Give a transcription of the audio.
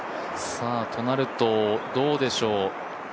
となるとどうでしょう